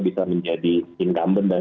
bisa menjadi incumbent dan